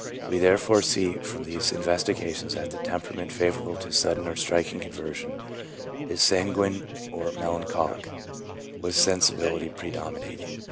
We therefore see from these investigations that the tem perament favourable to sudden or striking conver sions is sanguine or melancholic, with sensibility predominating.